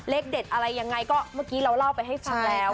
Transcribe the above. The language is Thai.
เลขเด็ดอะไรยังไงก็เมื่อกี้เราเล่าไปให้ฟังแล้ว